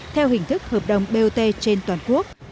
theo hình thức hợp đồng bot trên toàn quốc